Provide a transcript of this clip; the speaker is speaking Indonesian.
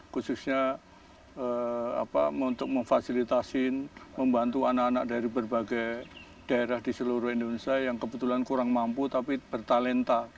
khususnya untuk memfasilitasi membantu anak anak dari berbagai daerah di seluruh indonesia yang kebetulan kurang mampu tapi bertalenta